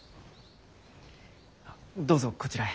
どうぞこちらへ。